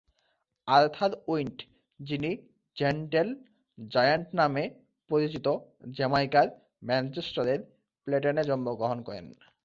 Arthur Wint, যিনি "gentle giant" নামে পরিচিত, জ্যামাইকার ম্যানচেস্টারের প্লেডেনে জন্মগ্রহণ করেন।